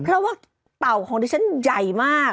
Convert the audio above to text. เพราะว่าเต่าของดิฉันใหญ่มาก